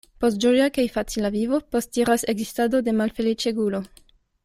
Post ĝoja kaj facila vivo postiras ekzistado de malfeliĉegulo.